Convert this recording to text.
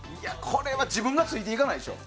これは、自分がついていかないでしょ。